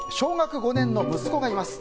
小学５年の息子がいます。